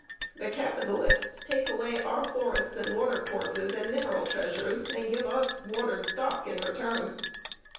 The capitalists take away our forests and water courses and mineral treasures and give us watered stock in return.